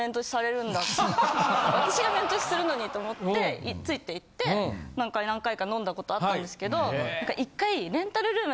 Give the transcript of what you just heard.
私が面通しするのにと思ってついて行って何回か飲んだことあったんですけど一回。